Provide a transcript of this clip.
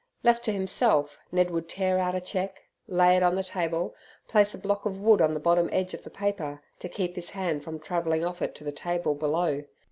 Left to himself, Ned would tear out a cheque, lay it on the table, place a block of wood on the bottom edge of the paper, to keep his hand from travelling off it to the table below.